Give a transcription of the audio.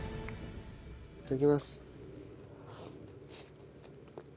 いただきます。